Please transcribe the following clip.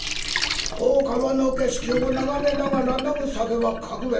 大川の景色を眺めながら飲む酒は格別。